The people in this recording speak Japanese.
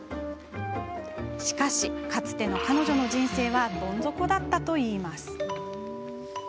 しかし、かつての彼女の人生はどん底だったといいます。